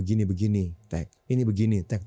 ini begini begini tek